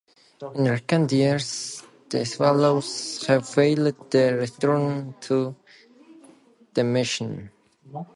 In recent years, the swallows have failed to return to the mission.